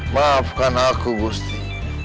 maafkan aku gusti